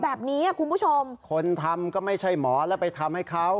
แบบนี้คุณผู้ชมคนทำก็ไม่ใช่หมอแล้วไปทำให้เขา